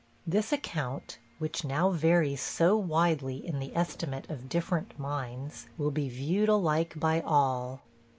This account, which now varies so widely in the estimate of different minds, will be viewed alike by all.